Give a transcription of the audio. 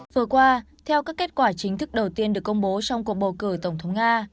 vừa qua theo các kết quả chính thức đầu tiên được công bố trong cuộc bầu cử tổng thống nga